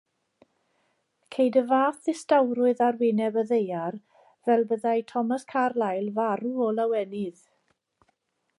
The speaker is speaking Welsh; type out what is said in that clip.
Ceid fath ddistawrwydd ar wyneb y ddaear fel byddai Thomas Carlyle farw o lawenydd.